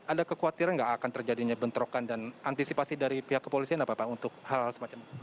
ada kekhawatiran nggak akan terjadinya bentrokan dan antisipasi dari pihak kepolisian apa pak untuk hal hal semacam ini